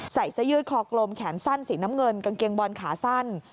ใส่เสื้อยืดคอกลมแขนสั้นสีน้ำเงินกางเกงบอลขาสั้น